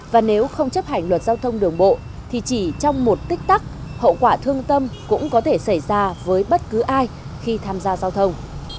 và nếu không chấp hành luật giao thông đường bộ thì chỉ trong một tích tắc hậu quả thương tâm cũng có thể xảy ra với bất cứ ai khi tham gia giao thông